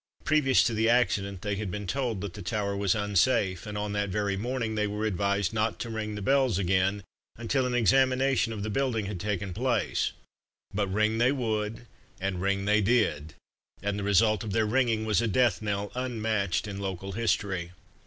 Previous to the accident, they had been told that the tower was unsafe, and on that very morning, they were advised not to ring the bells again, until an examination of the building had taken place: but ring they would, and ring they did, and the result of their ringing was a death knell unmatched in local history.